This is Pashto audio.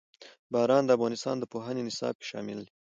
باران د افغانستان د پوهنې نصاب کې شامل دي.